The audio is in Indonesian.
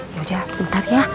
ya udah bentar ya